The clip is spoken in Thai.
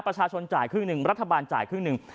ประชาชนจ่ายครึ่งหนึ่งรัฐบาลจ่ายครึ่งหนึ่ง